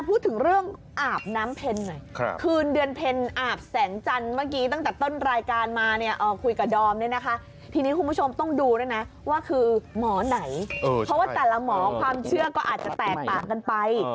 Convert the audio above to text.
พูดถึงเรื่องอาบน้ำเพลินหน่อย